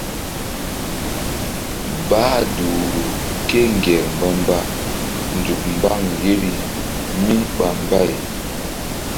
Bah duhru kéŋger mba nzuk mbaŋ yeri míɓa mbay.